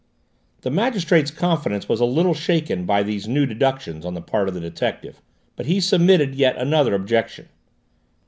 The magistrates confidence was a little shaken by these new deductions on the part of the detective, but he submitted yet another objection.